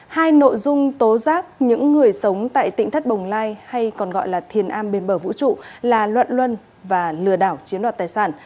hai nội dung tố giác những người sống tại tỉnh thất bồng lai hay còn gọi là thiền an bên bờ vũ trụ là luận luân và lừa đảo chiếm đoạt tài sản